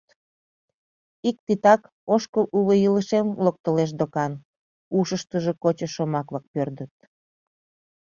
Ик титак ошкыл уло илышем локтылеш докан...» — ушыштыжо кочо шомак-влак пӧрдыт.